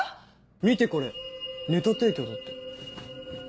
見てこれネタ提供だって。